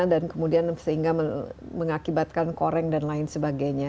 dan kemudian sehingga mengakibatkan koreng dan lain sebagainya